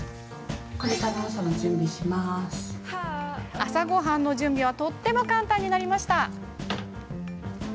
朝ごはんの準備はとっても簡単になりました。